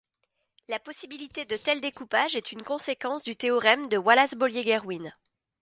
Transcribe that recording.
La possibilité de tels découpages est une conséquence du théorème de Wallace-Bolyai-Gerwien.